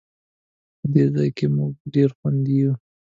په دې ځای کې مونږ ډېر خوندي یو